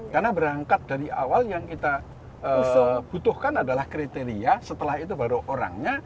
karena berangkat dari awal yang kita butuhkan adalah kriteria setelah itu baru orangnya